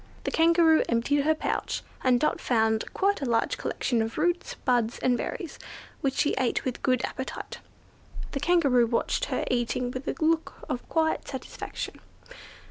The Kangaroo emptied out her pouch, and Dot found quite a large collection of roots, buds, and berries, which she ate with good appetite. The Kangaroo watched her eating with a look of quiet satisfaction.